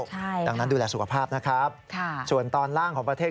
ใช่ดังนั้นดูแลสุขภาพนะครับค่ะส่วนตอนล่างของประเทศ